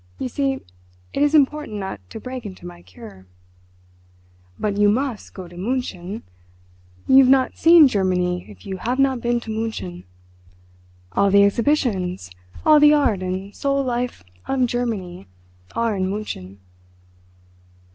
You see, it is important not to break into my 'cure.'" "But you must go to München. You have not seen Germany if you have not been to München. All the Exhibitions, all the Art and Soul life of Germany are in München.